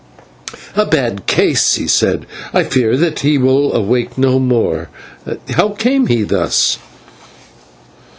"A bad case," he said. "I fear that he will awake no more. How came he thus?"